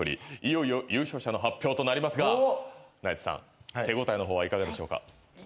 いよいよ優勝者の発表となりますがナイツさん手応えの方はいかがでしょうか？